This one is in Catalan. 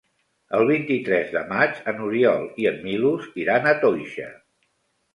El vint-i-tres de maig n'Oriol i en Milos iran a Toixa.